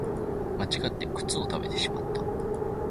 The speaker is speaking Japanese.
間違って靴を食べてしまった